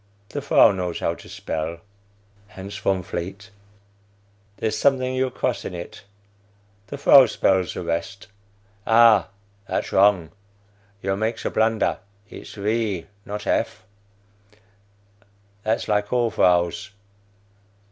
The vrow knows how to spell. (Hans Von Vleet.) There's a something you cross in it. The vrow spells the rest. Ah, that's wrong; you makes a blunder. Its V. not F. That's like all vrows.